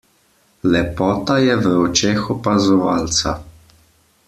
Lepota je v očeh opazovalca.